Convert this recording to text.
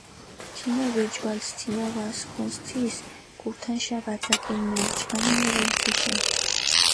თინა ვეჭვალს, თინა ვასქუნს, თის გურთანშა ვაწაკინინე, უჭყანიე რენ თიშენ.